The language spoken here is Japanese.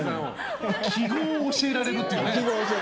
記号を教えられるってね。